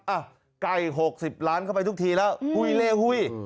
ไก่๖๐ล้านเข้าไปทุกทีแล้วหุ้ยเล่หุ้ย